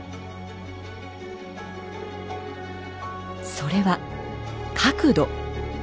それは角度。